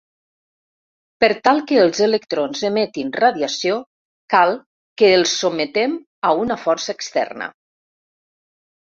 Per tal que els electrons emetin radiació cal que els sotmetem a una força externa.